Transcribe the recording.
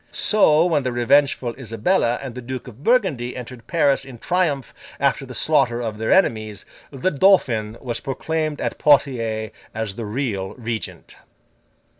So, when the revengeful Isabella and the Duke of Burgundy entered Paris in triumph after the slaughter of their enemies, the Dauphin was proclaimed at Poitiers as the real Regent.